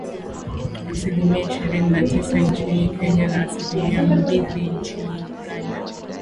Asilimia ishirini na tisa nchini Kenya na asilimia mbili nchini Uganda